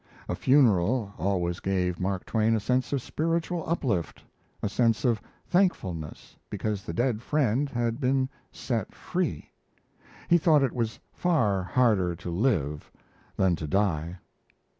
A funeral always gave Mark Twain a sense of spiritual uplift, a sense of thankfulness because the dead friend had been set free. He thought it was far harder to live than to die.